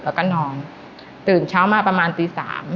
แล้วก็นอนตื่นเช้ามาประมาณตี๓